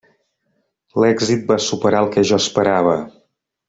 L'èxit va superar el que jo esperava.